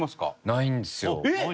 ないんですよ。えっ！